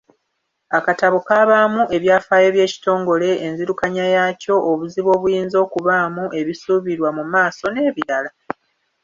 Akatabo kabaamu ebyafaayo by'ekitongole, enzirukanya yaakyo, obuzibu obuyinza okubaamu, ebisuubirwamu mu maaso n'ebirala.